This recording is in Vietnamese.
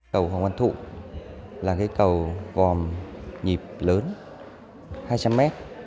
cầu hoàng văn thụ là cầu gòm nhịp lớn hai trăm linh m